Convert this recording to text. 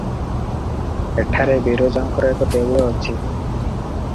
ଏଠାରେ ବିରଜାଙ୍କର ଏକ ଦେଉଳ ଅଛି ।